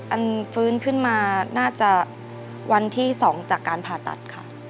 อันฟื้นขึ้นมาน่าจะวันที่๒จากการผ่าตัดค่ะ